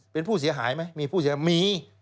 เป็นผู้เสียหายไหมมีผู้เสียหายมี